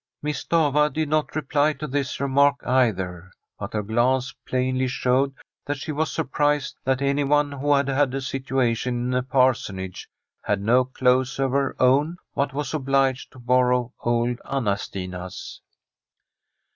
Miss Stafva did not reply to this remark either. But her glance plainly showed that she was sur prised that anyone who had had a situation in a parsonage had no clothes of her own, but was obliged to borrow old Anna Stina's.